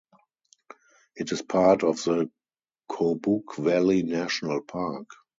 It is part of the Kobuk Valley National Park.